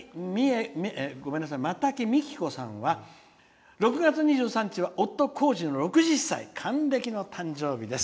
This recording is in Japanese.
またぎみきこさんは６月２３日は夫こうじの６０歳、還暦の誕生日です。